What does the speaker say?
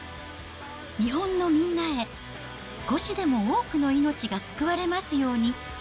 日本のみんなへ、少しでも多くの命が救われますように。